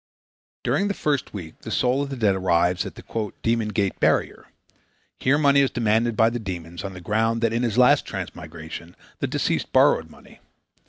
During the first week the soul of the dead arrives at the "Demon Gate Barrier." Here money is demanded by the demons on the ground that in his last transmigration the deceased borrowed money.